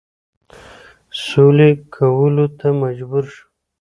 سولي کولو ته مجبور شو.